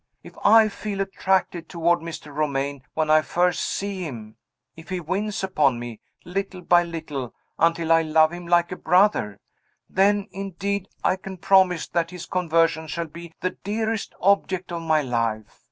If I feel attracted toward Mr. Romayne when I first see him; if he wins upon me, little by little, until I love him like a brother then, indeed, I can promise that his conversion shall be the dearest object of my life.